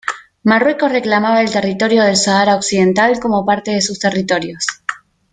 Marruecos reclamaba el territorio del Sahara Occidental como parte de sus territorios.